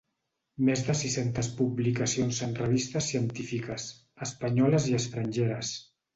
Més de sis-centes publicacions en revistes científiques, espanyoles i estrangeres.